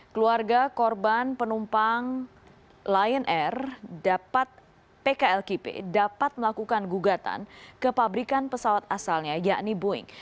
keluarga korban penumpang lion air dapat pklkp dapat melakukan gugatan ke pabrikan pesawat asalnya yakni boeing